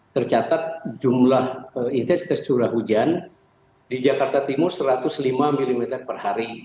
tercatat jumlah intensitas curah hujan di jakarta timur satu ratus lima mm per hari